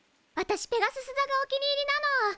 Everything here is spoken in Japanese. わたしペガスス座がお気に入りなの。